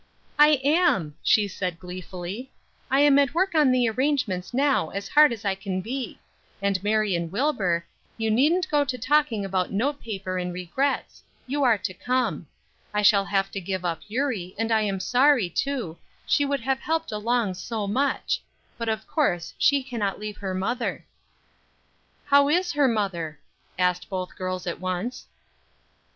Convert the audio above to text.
"I am," she said, gleefully. "I am at work on the arrangements now as hard as I can be; and Marion Wilbur, you needn't go to talking about note paper and regrets; you are to come. I shall have to give up Eurie, and I am sorry too, she would have helped along so much; but of course she cannot leave her mother." "How is her mother?" asked both girls at once.